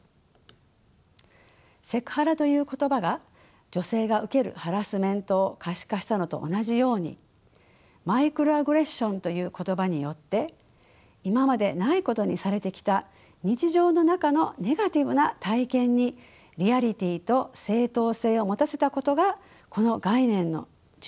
セクハラという言葉が女性が受けるハラスメントを可視化したのと同じようにマイクロアグレッションという言葉によって今までないことにされてきた日常の中のネガティブな体験にリアリティーと正当性を持たせたことがこの概念の重要な意義です。